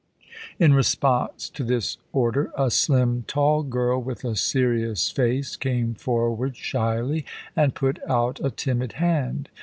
In response to this order a slim, tall girl, with a serious face, came forward shyly, and put out a timid hand.